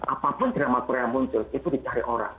apapun drama korea yang muncul itu dicari orang